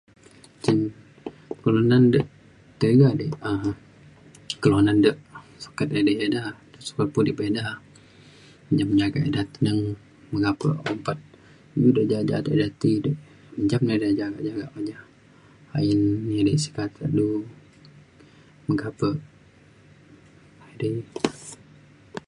cin kelunan de tiga di um kelunan de sukat edei ida sukat pudip ida jem jagak ida teneng meka pe ompat iu de ja’at ja’at ida ti de njam de jagak jagak ke ja ayen edei sek kata du meka pe edei